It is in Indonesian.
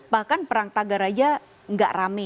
bahkan perang tagar aja nggak rame